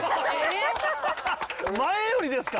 前よりですか！？